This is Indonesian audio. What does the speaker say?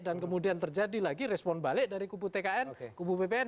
dan kemudian terjadi lagi respon balik dari kubu tkn kubu bpn